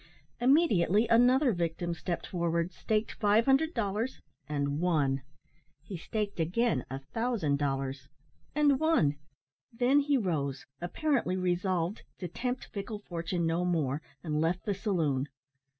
Immediately another victim stepped forward, staked five hundred dollars and won. He staked again a thousand dollars and won; then he rose, apparently resolved to tempt fickle fortune no more, and left the saloon.